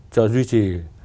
cho duy trì